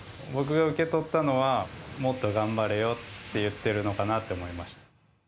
僕が受け取ったのは、もっと頑張れよって言ってるのかなって思いました。